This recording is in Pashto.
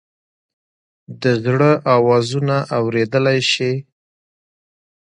د زړه آوازونه اوریدلئ شې؟